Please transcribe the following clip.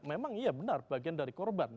memang iya benar bagian dari korban